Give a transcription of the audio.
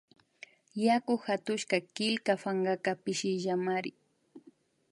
Yaku hatushka killka pankaka pishillamari